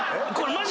マジ！